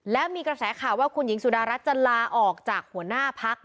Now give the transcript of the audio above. และมีกระแสข่าวว่าคุณหญิงสุดารัฐจะลาออกจากหัวหน้าพัก